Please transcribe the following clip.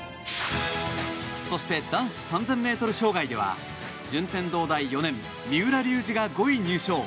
そして、男子３０００ｍ障害では順天堂大４年、三浦龍司が５位入賞。